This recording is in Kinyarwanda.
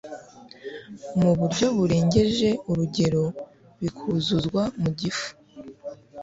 mu buryo burengeje urugero bikuzuzwa mu gifu.